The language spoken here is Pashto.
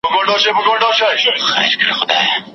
څېړنه تر ساده کره کتني ډېر زیار غواړي.